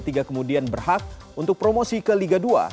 tiga kemudian berhak untuk promosi ke liga dua